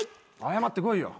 謝ってこいよ。